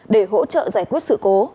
để hỗ trợ giải quyết sự cố